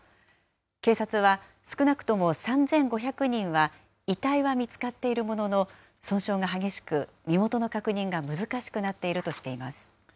警察は少なくとも３５００人は遺体は見つかっているものの、損傷が激しく、身元の確認が難しくなっているとしています。